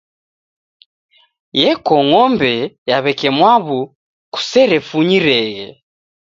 Yeko ng'ombe ya w'eke mwaaw'u kuserefunyireghe.